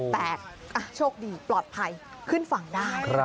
แต่โชคดีปลอดภัยขึ้นฝั่งได้